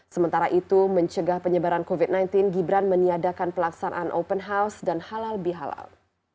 sementara itu mencegah penyebaran covid sembilan belas gibran meniadakan pelaksanaan open house dan halal bihalal